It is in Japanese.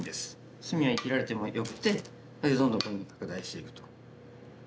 隅は生きられてもよくてそれでどんどんここに拡大していくと。